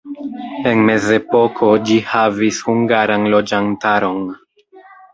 En mezepoko ĝi havis hungaran loĝantaron.